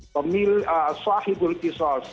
pemilik sahib kisos